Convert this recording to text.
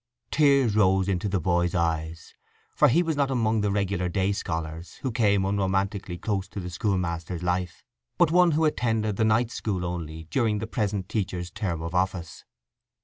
Tears rose into the boy's eyes, for he was not among the regular day scholars, who came unromantically close to the schoolmaster's life, but one who had attended the night school only during the present teacher's term of office.